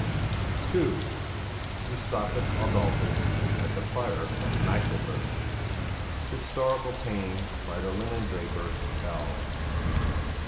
(2) 'Gustavus Adolphus at the Fire of Magdeburg,' historical painting by the linen draper L.